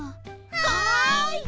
はい！